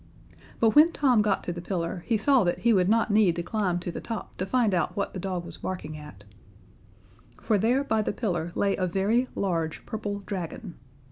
But when Tom got to the pillar, he saw that he would not need to climb to the top to find out what the dog was barking at. For there, by the pillar, lay a very large purple dragon.